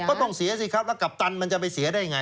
ก็ต้องเสียสิครับแล้วกัปตันมันจะไปเสียได้ไง